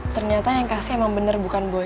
ternyata yang kasih emang benar bukan boy